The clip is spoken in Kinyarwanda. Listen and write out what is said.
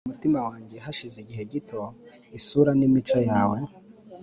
umutima wange hashize igihe gito isura nimico yawe